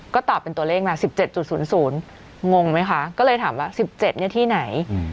ก็ตอบเป็นตัวเลขมา๑๗๐๐งงไหมคะก็เลยถามว่า๑๗ที่ไหน